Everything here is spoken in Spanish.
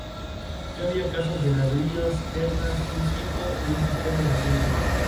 Actualmente sigue siendo cronista de dicho diario y de la revista "Notícias Magazine".